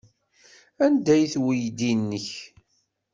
Anda-t weydi-nnek?